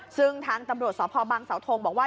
ซึ่งทางตำรวจสพบังเสาทงบอกว่า